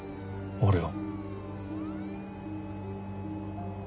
俺を。